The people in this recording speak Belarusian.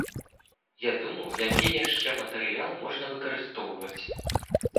Я думаў, які яшчэ матэрыял можна выкарыстоўваць.